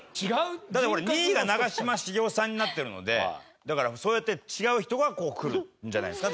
だってほら２位が長嶋茂雄さんになってるのでだからそうやって違う人がくるんじゃないですか？